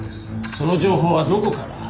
その情報はどこから？